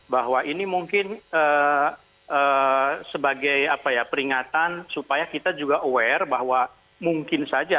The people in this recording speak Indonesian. bahwa ini mungkin sebagai peringatan supaya kita juga aware bahwa mungkin saja